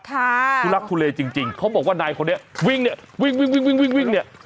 คุณลักษณ์ทุเรจริงเขาบอกว่านายคนนี้วิ่งวิ่งเนี่ย